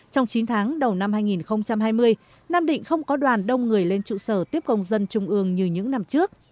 trong chín tháng đầu năm hai nghìn hai mươi nam định không có đoàn đông người lên trụ sở tiếp công dân trung ương như những năm trước